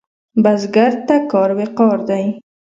بزګر ته کار وقار دی